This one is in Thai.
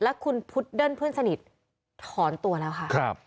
และคุณพุดเดิ้ลเพื่อนสนิทถอนตัวแล้วค่ะ